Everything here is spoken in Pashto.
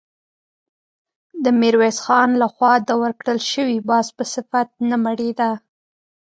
د ميرويس خان له خوا د ورکړل شوي باز په صفت نه مړېده.